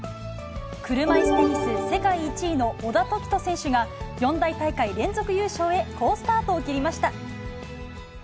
車いすテニス世界１位の小田凱人選手が、四大大会連続優勝へ、好スタートを切りました。